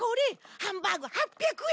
ハンバーグ８００円！